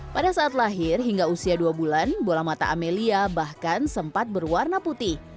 pada saat lahir hingga usia dua bulan bola mata amelia bahkan sempat berwarna putih